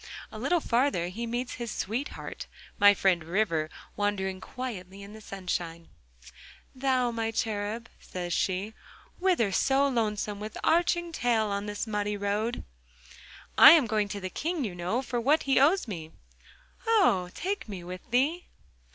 A little farther he meets his sweetheart, my friend River, wandering quietly in the sunshine. 'Thou, my cherub,' says she, 'whither so lonesome, with arching tail, on this muddy road?' 'I am going to the King, you know, for what he owes me.' 'Oh! take me with thee!